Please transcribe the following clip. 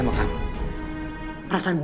aku akan mencari cherry